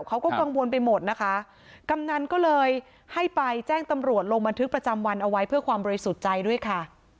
เขาก็กังวลไปหมดนะคะกำนันก็เลยให้ไปแจ้งตำรวจลงบันทึกประจำวันเอาไว้เพื่อความบริสุทธิ์ใจด้วยค่ะ